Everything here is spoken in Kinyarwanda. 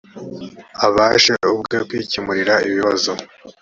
abashe ubwe kwikemurira ibibazo